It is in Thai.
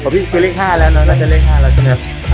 พี่เล่นค่าแล้วนะแล้วจะเล่นค่าแล้วนะ